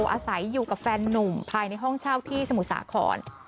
อาศัยอยู่กับแฟนนุ่มภายในห้องเช่าที่สมุทรสาคร